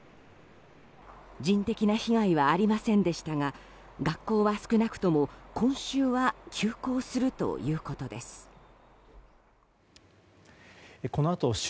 人的な被害はありませんでしたが学校は、少なくとも今週は休校するということです。